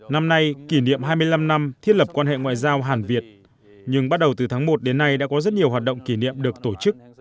năm nay kỷ niệm hai mươi năm năm thiết lập quan hệ ngoại giao hàn việt nhưng bắt đầu từ tháng một đến nay đã có rất nhiều hoạt động kỷ niệm được tổ chức